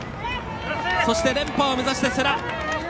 そして、連覇を目指して、世羅。